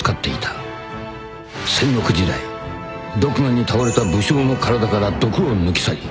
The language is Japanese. ［戦国時代毒牙に倒れた武将の体から毒を抜き去り